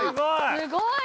すごい。